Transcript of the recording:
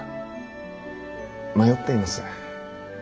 迷っています。